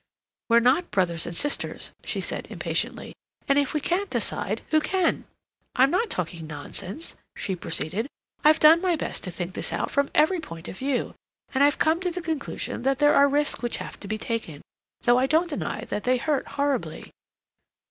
"We're not brothers and sisters," she said impatiently, "and if we can't decide, who can? I'm not talking nonsense," she proceeded. "I've done my best to think this out from every point of view, and I've come to the conclusion that there are risks which have to be taken,—though I don't deny that they hurt horribly."